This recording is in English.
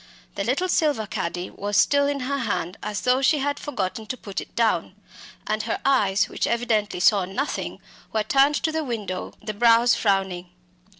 The little silver caddy was still in her hand as though she had forgotten to put it down; and her eyes, which evidently saw nothing, were turned to the window, the brows frowning.